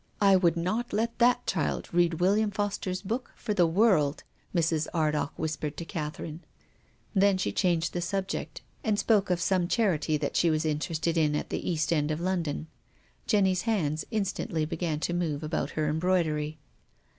" I would not let that child read William Foster's book for the world," Mrs. Ardagh whispered to Catherine. Then she changed the subject, and spoke of T44 TONGUES OF CONSCIENCE. some charity that she was interested in at the East End of London. Jenny's hands instantly began to move about her embroidery.